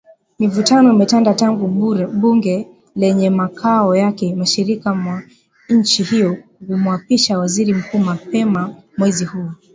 Mivutano imetanda tangu bunge lenye makao yake mashariki mwa nchi hiyo kumwapisha Waziri Mkuu mapema mwezi huu